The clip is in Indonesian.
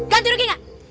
ganti rugi nggak